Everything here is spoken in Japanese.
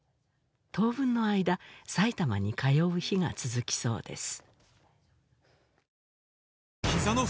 当分の間埼玉に通う日が続きそうです